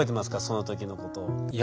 その時のことを。